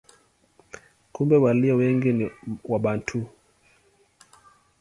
Kumbe walio wengi ni Wabantu.